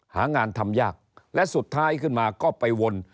หางานทำยากและสุดท้ายขึ้นมาก็ไปวน